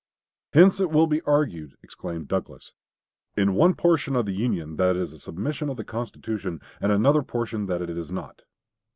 "Hence it will be argued," exclaimed Douglas, "in one portion of the Union that this is a submission of the constitution, and in another portion that it is not."